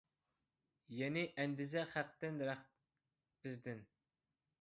يەنى، ئەندىزە خەقتىن، رەخت بىزدىن.